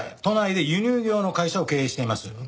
都内で輸入業の会社を経営しています。